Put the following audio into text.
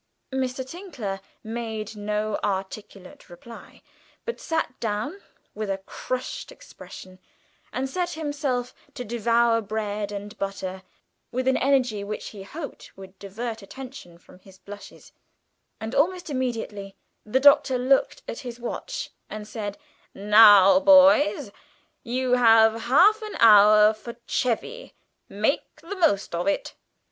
Mr. Tinkler made no articulate reply, but sat down with a crushed expression, and set himself to devour bread and butter with an energy which he hoped would divert attention from his blushes; and almost immediately the Doctor looked at his watch and said, "Now, boys, you have half an hour for 'chevy' make the most of it.